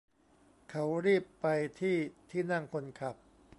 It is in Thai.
เขารีบไปที่ที่นั่งคนขับ